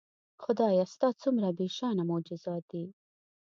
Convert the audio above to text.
خدایه ستا څومره بېشانه معجزات دي